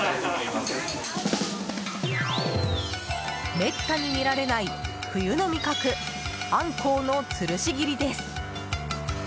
めったに見られない、冬の味覚アンコウのつるし切りです。